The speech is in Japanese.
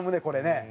これね。